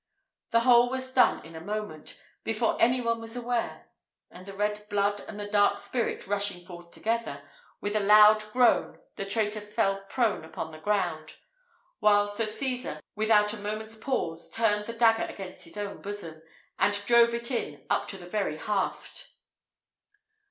The whole was done in a moment, before any one was aware; and the red blood and the dark spirit rushing forth together, with a loud groan the traitor fell prone upon the ground; while Sir Cesar, without a moment's pause, turned the dagger against his own bosom, and drove it in up to the very haft.